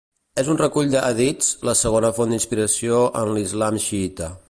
És un recull de hadits, la segona font d'inspiració en l'Islam xiïta.